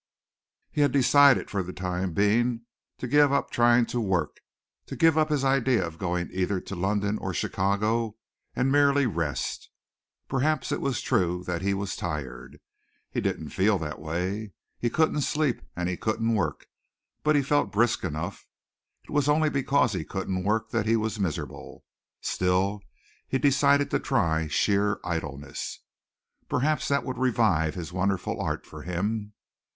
He had decided for the time being to give up trying to work, to give up his idea of going either to London or Chicago, and merely rest. Perhaps it was true that he was tired. He didn't feel that way. He couldn't sleep and he couldn't work, but he felt brisk enough. It was only because he couldn't work that he was miserable. Still he decided to try sheer idleness. Perhaps that would revive his wonderful art for him.